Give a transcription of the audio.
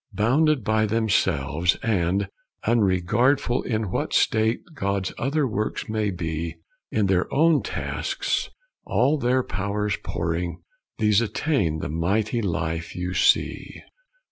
"Bounded by themselves, and unregardful In what state God's other works may be, In their own tasks all their powers pouring, These attain the mighty life you see."